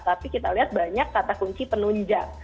tapi kita lihat banyak kata kunci penunjang